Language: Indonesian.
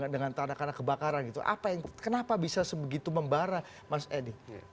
dengan tanah tanah kebakaran gitu kenapa bisa sebegitu membara mas wedi